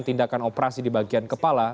tindakan operasi di bagian kepala